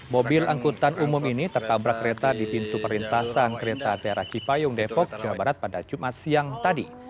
mobil angkutan umum ini tertabrak kereta di pintu perlintasan kereta teraci payung depok jawa barat pada jumat siang tadi